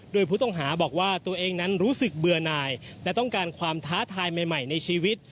โดยผู้ต้องหาบอกว่าตัวเองนั้นรู้สึกเบื่อหน่ายและต้องการความท้าทายใหม่ในชีวิต